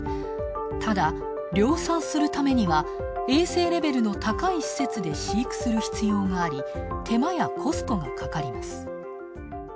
ただ、量産するためには衛生レベルの高い施設で飼育する必要があり手間やコストがかかります。